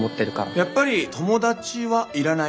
やっぱり友達はいらない。